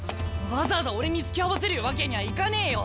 わざわざ俺につきあわせるわけにゃいかねえよ！